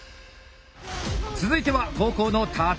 続いては後攻の橘。